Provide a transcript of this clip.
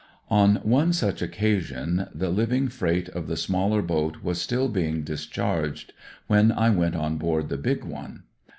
On one such occasion the livirg freight of the smaller boat was still being discharged when I went on board the big one.